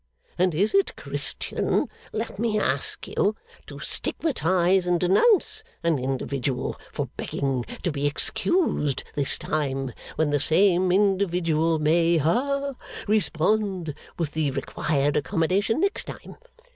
And is it Christian, let me ask you, to stigmatise and denounce an individual for begging to be excused this time, when the same individual may ha respond with the required accommodation next time?